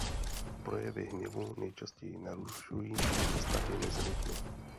Projevy hněvu nejčastěji narušují vztahy mezi lidmi.